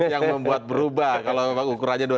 yang membuat berubah kalau ukurannya dua ribu enam